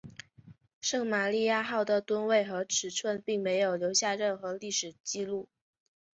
圣玛利亚号的吨位和尺寸并没有留下任何历史记录。